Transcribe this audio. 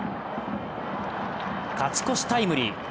勝ち越しタイムリー。